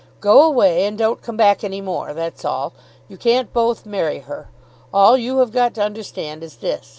"Go away, and don't come back any more; that's all. You can't both marry her. All you have got to understand is this.